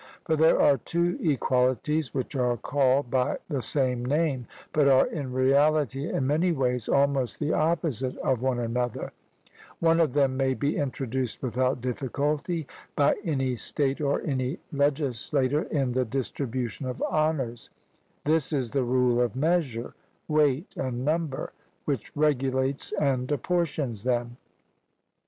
For there are two equalities which are called by the same name, but are in reality in many ways almost the opposite of one another; one of them may be introduced without difficulty, by any state or any legislator in the distribution of honours: this is the rule of measure, weight, and number, which regulates and apportions them.